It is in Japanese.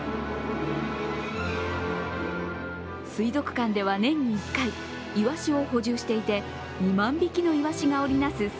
水族館では年に１回、イワシを補充していて２万匹のイワシが織り成す